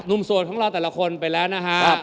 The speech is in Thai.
หนุ่มโสดของเราแต่ละคนมาแล้วนะครับ